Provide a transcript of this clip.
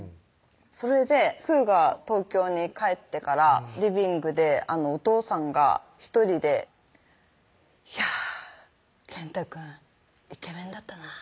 それでくーが東京に帰ってからリビングでお父さんが１人で「いや健大くんイケメンだったなぁ」